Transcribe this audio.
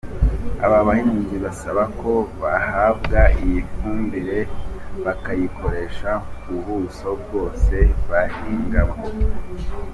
Aba bahinzi basaba ko bahabwa iyi fumbire bakayikoresha ku buso bwose bahingaho.